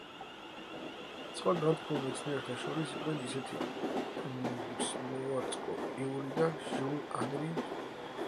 სხვა განთქმულ მეცნიერთა შორის იყვნენ მარი სკლოდოვსკა-კიური და ჟიულ ანრი პუანკარე.